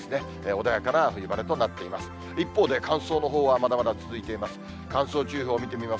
穏やかな冬晴れとなっています。